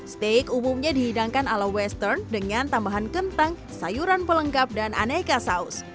steak umumnya dihidangkan ala western dengan tambahan kentang sayuran pelengkap dan aneka saus